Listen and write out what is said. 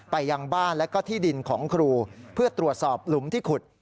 ยังบ้านและก็ที่ดินของครูเพื่อตรวจสอบหลุมที่ขุด